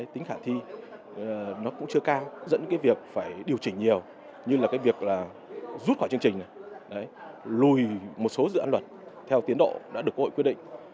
tính khả thi nó cũng chưa cao dẫn cái việc phải điều chỉnh nhiều như là cái việc là rút khỏi chương trình lùi một số dự án luật theo tiến độ đã được quốc hội quyết định